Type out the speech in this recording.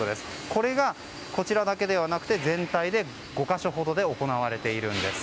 これがこちらだけではなく全体で５か所ほどで行われているんです。